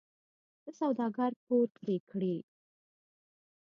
د سوداګر پور پرې کړي.